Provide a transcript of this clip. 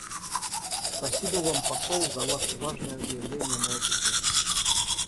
Спасибо Вам, посол, за Ваше важное заявление на эту тему.